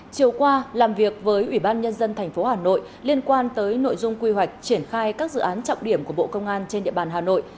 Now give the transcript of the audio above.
chiều qua làm việc với ủy ban nhân dân tp hà nội liên quan tới nội dung quy hoạch triển khai các dự án trọng điểm của bộ công an trên địa bàn hà nội